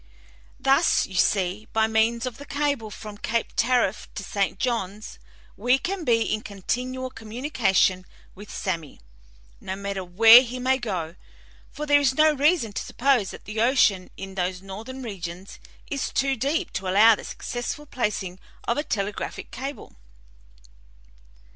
Thus, you see, by means of the cable from Cape Tariff to St. Johns, we can be in continual communication with Sammy, no matter where he may go; for there is no reason to suppose that the ocean in those northern regions is too deep to allow the successful placing of a telegraphic cable.